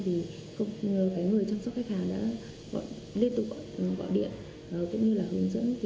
đã bị sập bẫy